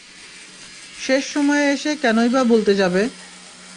শেষ সময়ে এসে কেনই বা বলতে যাবে?